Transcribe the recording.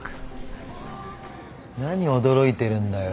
何驚いてるんだよ？